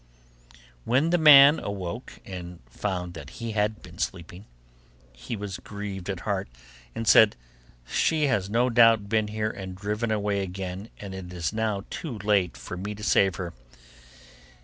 When the man awoke and found that he had been sleeping, he was grieved at heart, and said, 'She has no doubt been here and driven away again, and it is now too late for me to save her.